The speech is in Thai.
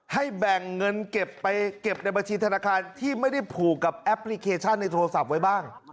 แบ่งเงินเก็บไปเก็บในบัญชีธนาคารที่ไม่ได้ผูกกับแอปพลิเคชันในโทรศัพท์ไว้บ้าง